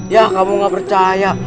ya kamu gak percaya